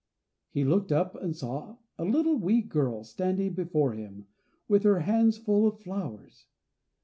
He looked up and saw a little wee girl standing before him, with her hands full of flowers.